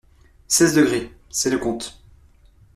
Seize degrés ; c’est le compte.